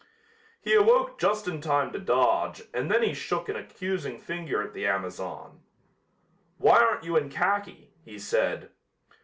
He awoke just in time to dodge and then he shook an accusing finger at the Amazon. "Why aren't you in khaki?" he said.